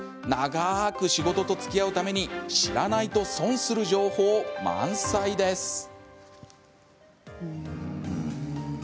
長ーく仕事とつきあうために知らないと損する情報満載です！